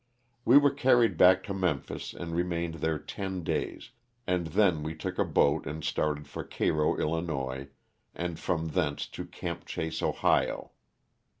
We were carried back to Memphis and remained there ten days, and then we took a boat and started for Cairo, 111., and from thence to '* Camp Chase," Ohio.